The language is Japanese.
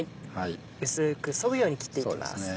薄くそぐように切っていきます。